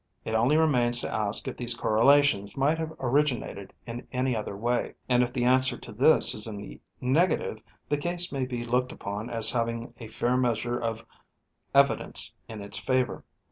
It only remains to ask if these correlations might have originated in any other way, and if the answer to this is in the negative, the case may be looked upon as having a fair measure of evidence in its favor.